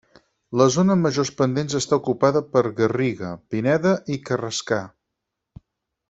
La zona amb majors pendents està ocupada per garriga, pineda i carrascar.